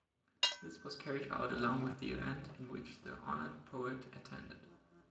This was carried out along with the event in which the honored poet attended.